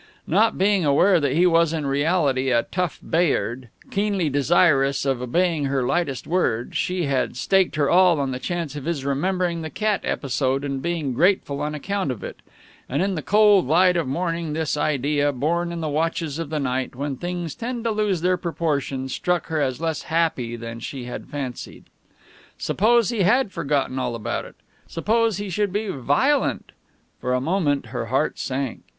Not being aware that he was in reality a tough Bayard, keenly desirous of obeying her lightest word, she had staked her all on the chance of his remembering the cat episode and being grateful on account of it; and in the cold light of the morning this idea, born in the watches of the night, when things tend to lose their proportion, struck her as less happy than she had fancied. Suppose he had forgotten all about it! Suppose he should be violent! For a moment her heart sank.